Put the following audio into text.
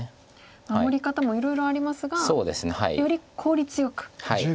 守り方もいろいろありますがより効率よく守る手はと。